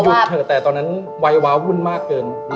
เถอะแต่ตอนนั้นวัยว้าววุ่นมากเกิน